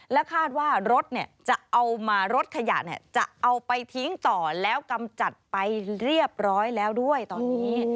และคาดว่ารถจะเอามารถขยะจะเอาไปทิ้งต่อแล้วกำจัดไปเรียบร้อยแล้วด้วยตอนนี้